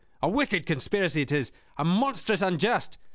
"A wicked conspiracy it is, and monstrous unjust!